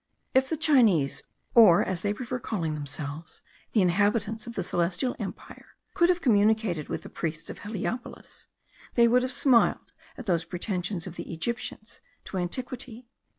If the Chinese, or, as they prefer calling themselves, the inhabitants of the Celestial Empire, could have communicated with the priests of Heliopolis, they would have smiled at those pretensions of the Egyptians to antiquity.